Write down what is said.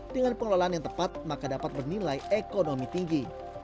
dengan pengelolaan yang tepat maka dapat bernilai ekonomi tinggi